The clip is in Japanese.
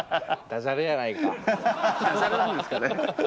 ダジャレなんですかね。